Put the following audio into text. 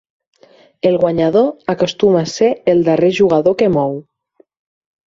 El guanyador acostuma a ser el darrer jugador que mou.